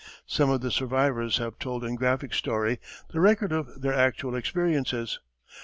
Some of the survivors have told in graphic story the record of their actual experiences.